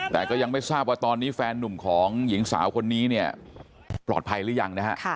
แต่ก็ยังไม่ทราบว่าตอนนี้แฟนนุ่มของหญิงสาวคนนี้เนี่ยปลอดภัยหรือยังนะฮะ